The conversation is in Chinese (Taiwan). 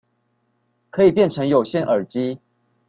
可以變成有線耳機